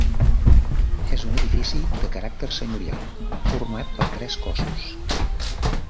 És un edifici de caràcter senyorial format per tres cossos.